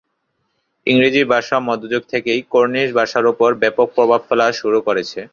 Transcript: ইংরেজি ভাষা মধ্যযুগ থেকেই কর্নিশ ভাষার উপর ব্যাপক প্রভাব ফেলা শুরু করে।